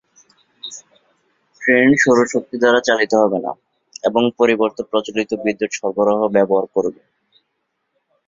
Train সৌর শক্তি দ্বারা চালিত হবে না, এবং পরিবর্তে প্রচলিত বিদ্যুৎ সরবরাহ ব্যবহার করবে।